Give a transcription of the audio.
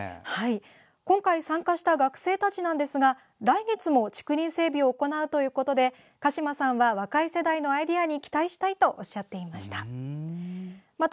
今回参加した学生たちなんですが来月も竹林整備を行うということで鹿嶋さんは若い世代のアイデアに期待したいとおっしゃってました。